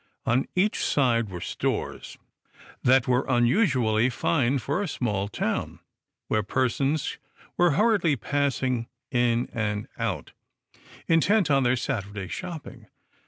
On each side were stores, that were unusually fine for a small town, where persons were hurriedly passing in and out, intent on their Sat urday shopping.